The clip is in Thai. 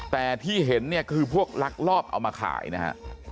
แต่ที่เห็นเนี่ยคือพวกลักลอบเอามาขายนะฮะ